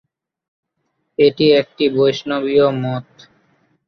এটি একটি বৈষ্ণবীয় মত।